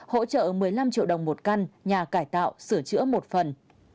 hỗ trợ một mươi năm triệu đồng một căn nhà cải tạo sửa chữa một phần